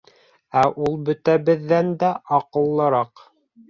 Ә ул бөтәбеҙҙән дә аҡыллыраҡ.